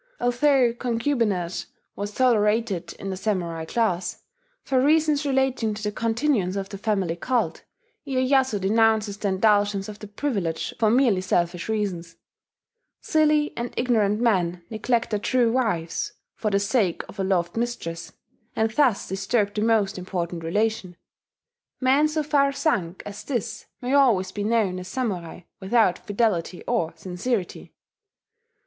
Although concubinage was tolerated in the Samurai class, for reasons relating to the continuance of the family cult, Iyeyasu denounces the indulgence of the privilege for merely selfish reasons: "Silly and ignorant men neglect their true wives for the sake of a loved mistress, and thus disturb the most important relation.... Men so far sunk as this may always be known as Samurai without fidelity or sincerity."